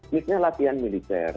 misalnya latihan militer